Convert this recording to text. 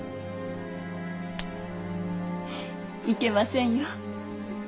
いけませんよ。